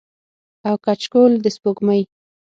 او کچکول د سپوږمۍ